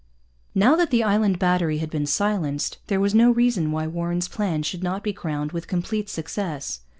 Now that the Island Battery had been silenced there was no reason why Warren's plan should not be crowned with complete success.